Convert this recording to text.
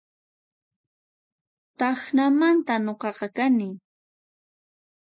Tacnamantan nuqaqa kani